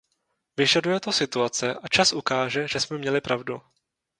Vyžaduje to situace a čas ukáže, že jsme měli pravdu.